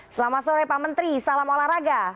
selamat sore pak menteri salam olahraga